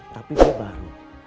tapi itu baru